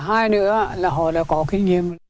hai nữa là họ có kinh nghiệm